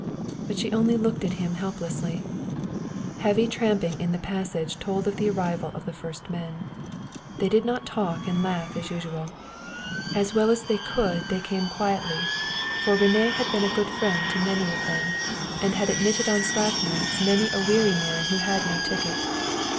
But she only looked at him helplessly. Heavy tramping in the passage told of the arrival of the first men. They did not talk and laugh as usual. As well as they could they came quietly. For René had been a good friend to many of them, and had admitted on slack nights many a weary man who had no ticket.